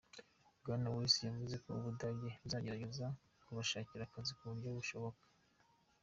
Bwana Weise yavuze ko Ubudage buzagerageza kubashakira akazi ku buryo bushoboka.